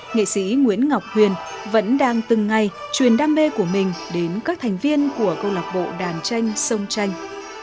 nghệ sĩ nguyễn ngọc huyền vẫn đang từng ngày truyền đam mê của mình đến các thành viên của câu lạc bộ đàn tranh sông tranh